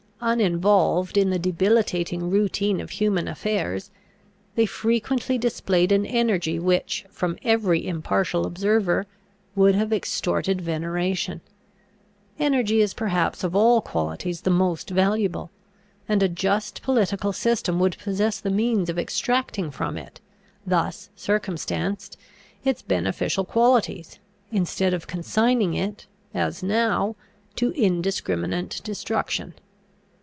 Uninvolved in the debilitating routine of human affairs, they frequently displayed an energy which, from every impartial observer, would have extorted veneration. Energy is perhaps of all qualities the most valuable; and a just political system would possess the means of extracting from it, thus circumstanced, its beneficial qualities, instead of consigning it, as now, to indiscriminate destruction.